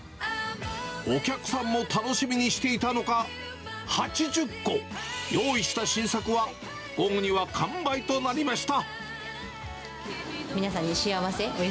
お客さんも楽しみにしていたのか、８０個、用意した新作は、午後には完売となりました。